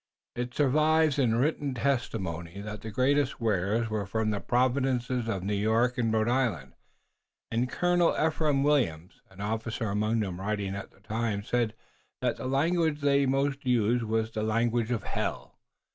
It survives in written testimony that the greatest swearers were from the provinces of New York and Rhode Island, and Colonel Ephraim Williams, an officer among them writing at the time, said that the language they most used was "the language of Hell."